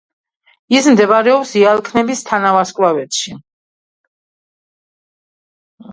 ის მდებარეობს იალქნების თანავარსკვლავედში.